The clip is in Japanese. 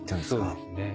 そうですね。